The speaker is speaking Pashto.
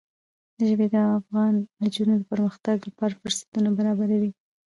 ژبې د افغان نجونو د پرمختګ لپاره فرصتونه برابروي.